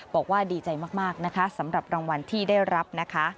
บอกว่าดีใจมากนะคะสำหรับรางวัลที่ได้รับนะคะ